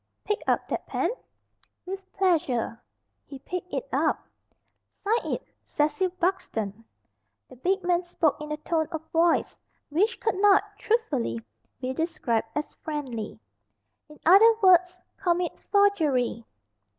"Pick up that pen." "With pleasure." He picked it up. "Sign it 'Cecil Buxton."' The big man spoke in a tone of voice which could not, truthfully, be described as friendly. "In other words commit forgery."